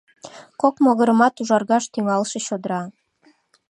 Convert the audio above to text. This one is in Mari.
Кок могырымат ужаргаш тӱҥалше чодра.